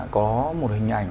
có một hình ảnh